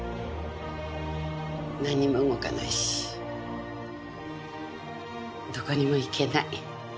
何も動かないしどこにも行けない。